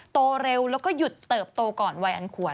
โตเร็วแล้วก็หยุดเติบโตก่อนวัยอันควร